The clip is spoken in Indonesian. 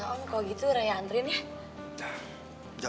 om kalau gitu raya antriin ya